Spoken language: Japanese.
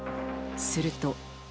すると。